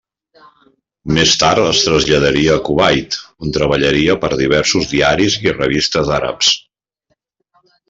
Més tard es traslladaria a Kuwait on treballaria per diversos diaris i revistes àrabs.